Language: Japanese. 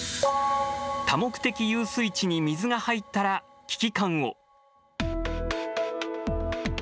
多目的遊水地に水が入ったら危機感を。